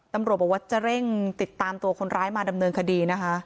ตำรวจบอกว่าจะเร่งติดตามตัวคนร้ายมาดำเนินคดีนะคะ